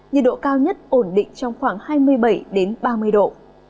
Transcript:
nhiệt độ cao nhất ổn định trong khoảng hai mươi bảy ba mươi độ